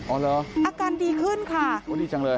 เหรออาการดีขึ้นค่ะโอ้ดีจังเลย